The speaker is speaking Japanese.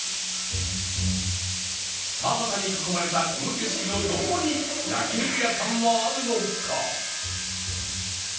田畑に囲まれたこの景色のどこに焼肉屋さんはあるのか？